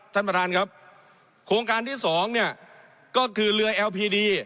ท่านประธานครับโครงการที่สองเนี่ยก็คือเรือแอลพีดี